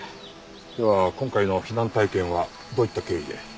では今回の避難体験はどういった経緯で。